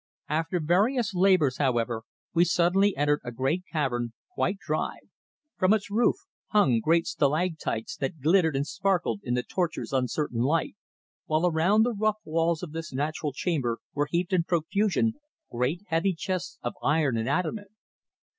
After various labours, however, we suddenly entered a great cavern, quite dry. From its roof hung great stalactites that glittered and sparkled in the torch's uncertain light, while around the rough walls of this natural chamber were heaped in profusion great heavy chests of iron and adamant.